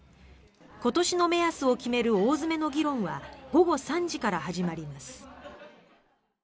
今年の目安を決める大詰めの議論は午後３時から始まります。